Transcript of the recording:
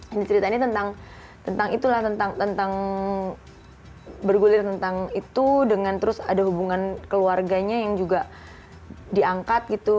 dan cerita ini tentang itulah tentang bergulir tentang itu dengan terus ada hubungan keluarganya yang juga diangkat gitu